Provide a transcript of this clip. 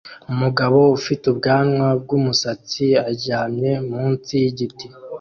Umugabo ufite ubwanwa bwumusatsi aryamye munsi yigiti